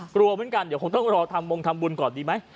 กลัวเหมือนกันเดี๋ยวคงต้องรอทำมงทำบุญก่อนดีไหม